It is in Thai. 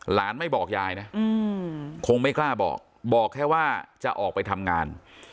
หลานไม่บอกยายนะคงไม่กล้าบอกบอกแค่ว่าจะออกไปทำงาน